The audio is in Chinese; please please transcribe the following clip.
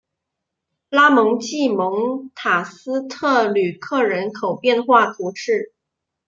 拉蒙济蒙塔斯特吕克人口变化图示